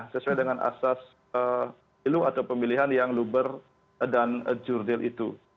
sesuai dengan asas pilu atau pemilihan yang luber dan jurdil itu